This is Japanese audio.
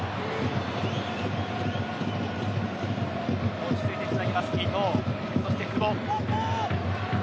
落ち着いてつなぎます伊東。